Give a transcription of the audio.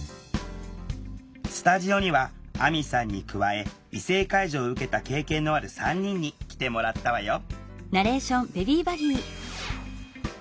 スタジオにはあみさんに加え異性介助を受けた経験のある３人に来てもらったわよ